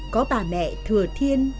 có bà mẹ thừa thiên